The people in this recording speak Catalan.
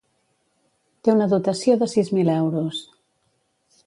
Té una dotació de sis mil euros.